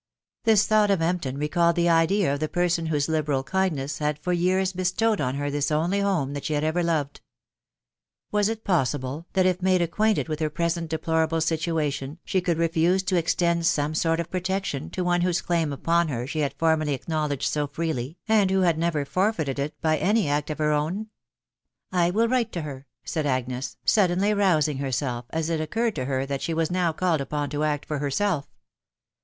This thought of Empton recalled the idea of the person whose liberal kindness had for years bestowed on her this only home that she had ever loved. Was it possible, that if made acquainted with her present deplorable situation, she could re fuse to extend some sort of protection to one whose claim upon her she had formerly acknowledged so freely, and who had never forfeited it by any act of her own ?...." I will write to her !" said Agnes, suddenly rousing herself, as it occurred to her that she was now called upon to act for herself.